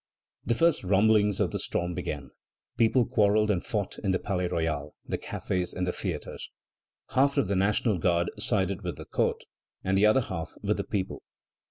The first rumblings of the storm began. People quarrelled and fought in the Palais Royal, the cafés, and the theatres. Half of the National Guard sided with the court, and the other half with the people.